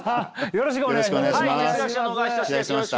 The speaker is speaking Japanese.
よろしくお願いします。